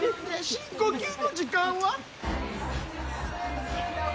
深呼吸の時間は？